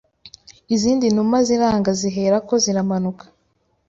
Izindi numa zirangaZihera ko ziramanuka